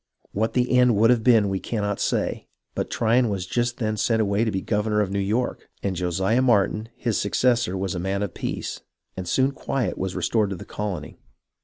What the end would have been we cannot say, but Tryon was just then sent away to be governor of New York, and Josiah Martin, his successor, was a man of peace, and soon quiet was restored in the colony.